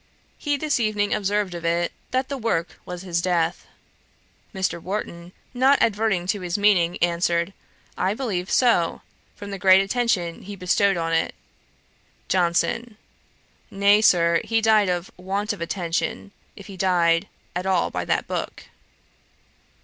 He this evening observed of it, 'That work was his death.' Mr. Warton, not adverting to his meaning, answered, 'I believe so; from the great attention he bestowed on it.' JOHNSON. 'Nay, Sir, he died of want of attention, if he died at all by that book.'